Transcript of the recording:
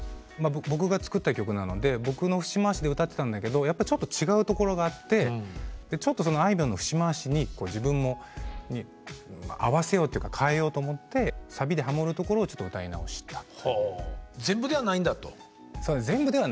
僕が作った曲なので僕の節回しで歌ってたんだけどやっぱちょっと違うところがあってちょっとそのあいみょんの節回しに自分もまあ合わせようというか変えようと思ってサビでハモるところをちょっと歌い直したという。